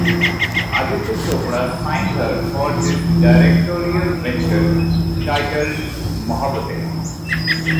Aditya Chopra signed her for his directorial venture titled "Mohabbatein".